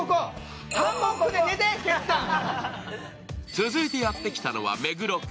続いてやって来たのは目黒区。